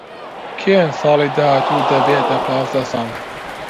کێن ساڵی داهاتوو دەبێتە پازدە ساڵ.